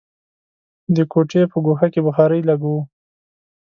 د کوټې په ګوښه کې بخارۍ لګوو.